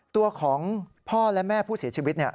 ตัวของพ่อและแม่ผู้เสียชีวิตเนี่ย